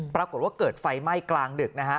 ปรากฏว่าเกิดไฟไหม้กลางดึกนะฮะ